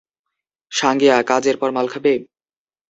সাঙ্গেয়া, কাজের পর মাল খাবে?